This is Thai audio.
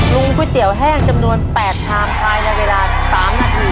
ก๋วยเตี๋ยวแห้งจำนวน๘ชามภายในเวลา๓นาที